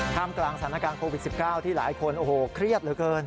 กลางสถานการณ์โควิด๑๙ที่หลายคนโอ้โหเครียดเหลือเกิน